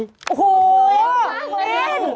โอ้โหว้ววววววมีนซ์